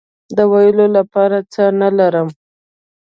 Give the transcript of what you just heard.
د ویلو لپاره څه نه لرم